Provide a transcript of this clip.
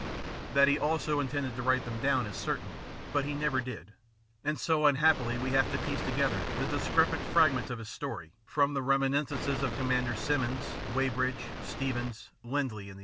That he also intended to write them down is certain, but he never did, and so unhappily we have to piece together the discrepant fragments of his story from the reminiscences of Commander Simmons, Weybridge, Steevens, Lindley, and the others.